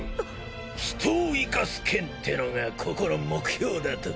人を生かす剣ってのがここの目標だとか。